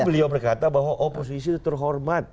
tapi beliau berkata bahwa oposisi itu terhormat